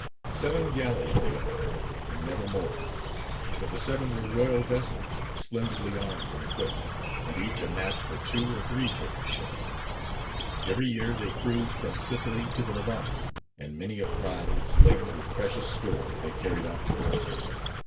Seven galleys they owned, and never more, but the seven were royal vessels, splendidly armed and equipped, and each a match for two or three Turkish ships. Every year they cruised from Sicily to the Levant, and many a prize laden with precious store they carried off to Malta.